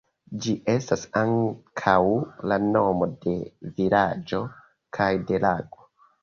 Ĝi estas ankaŭ la nomo de vilaĝo kaj de lago.